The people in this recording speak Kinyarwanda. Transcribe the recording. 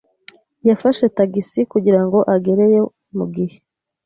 Yafashe tagisi kugirango agereyo mugihe.